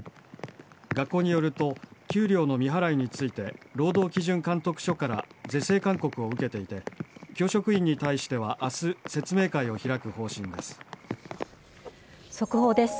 学校によると給料の未払いについて労働基準監督署から是正勧告を受けていて教職員に対しては明日説明会を開く方針です。